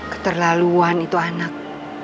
keterlaluan itu anak